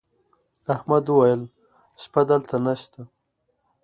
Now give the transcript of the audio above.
احمد وويل: شپه دلته نشته.